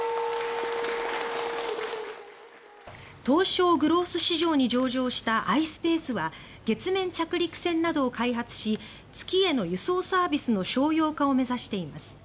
東証グロース市場に上場したｉｓｐａｃｅは月面着陸船などを開発し月への輸送サービスの商用化を目指しています。